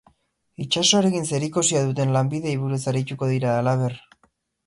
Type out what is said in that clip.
Itsasoarekin zerikusia duten lanbideei buruz arituko dira, halaber.